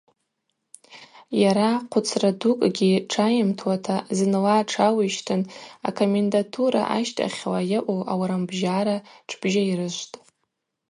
Йара, хъвыцра дукӏгьи тшайымтуата, зынла тшауищтын акомендатура ащтахьла йаъу аурамбжьара тшбжьайрышвтӏ.